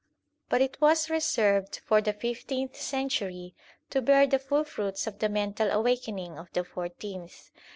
But it was reserved for the fifteenth century to bear the full fruits of the mental awakening of the fourteenth.